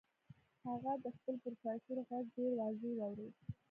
هغه د خپل پروفيسور غږ ډېر واضح واورېد.